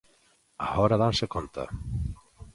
Agora danse conta.